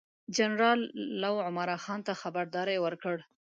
جنرال لو عمرا خان ته خبرداری ورکړ.